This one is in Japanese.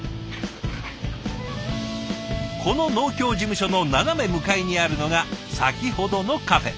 この農協事務所の斜め向かいにあるのが先ほどのカフェ。